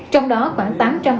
trong đó khoảng